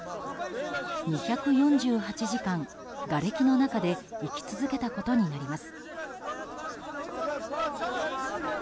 ２４８時間、がれきの中で生き続けたことになります。